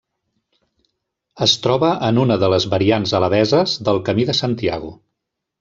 Es troba en una de les variants alabeses del Camí de Santiago.